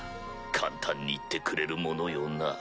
簡単に言ってくれるものよな。